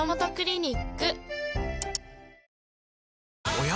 おや？